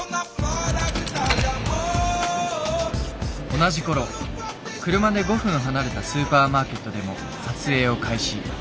同じころ車で５分離れたスーパーマーケットでも撮影を開始。